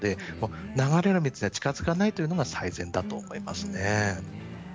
流れる水には近づかないことが最善だと思います。